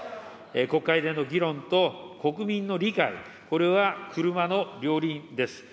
国会での議論と国民の理解、これは車の両輪です。